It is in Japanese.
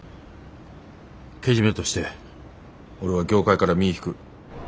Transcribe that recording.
けじめとして俺は業界から身ぃ引く。